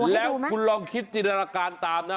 แล้วคุณลองคิดจินตนาการตามนะ